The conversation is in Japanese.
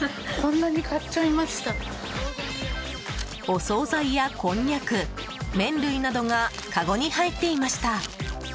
お総菜やこんにゃく麺類などが、かごに入ってました。